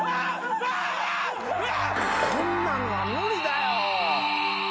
こんなのは無理だよ！